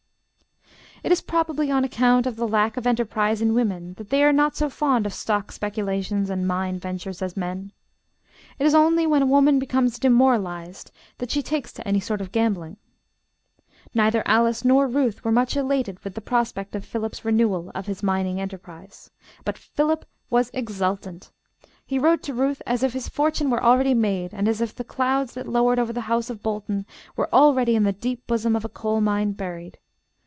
It is probably on account of the lack of enterprise in women that they are not so fond of stock speculations and mine ventures as men. It is only when woman becomes demoralized that she takes to any sort of gambling. Neither Alice nor Ruth were much elated with the prospect of Philip's renewal of his mining enterprise. But Philip was exultant. He wrote to Ruth as if his fortune were already made, and as if the clouds that lowered over the house of Bolton were already in the deep bosom of a coal mine buried.